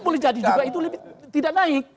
boleh jadi juga itu tidak naik